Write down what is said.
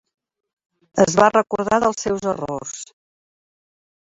Es va recordar dels seus errors.